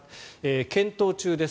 検討中です。